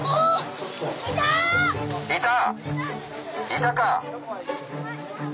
いた！